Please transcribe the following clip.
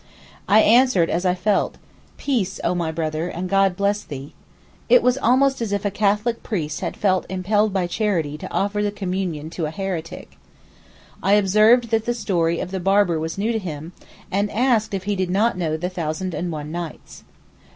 I answered as I felt: 'Peace, oh my brother, and God bless thee!' It was almost as if a Catholic priest had felt impelled by charity to offer the communion to a heretic. I observed that the story of the barber was new to him, and asked if he did not know the 'Thousand and One Nights.